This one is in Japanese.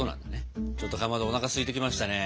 ちょっとかまどおなかすいてきましたね。